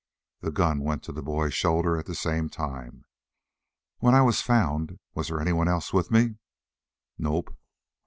The gun went to the boy's shoulders at the same time. "When I was found was anyone else with me?" "Nope."